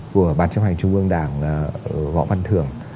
của ban chấp hành trung ương đảng võ văn thưởng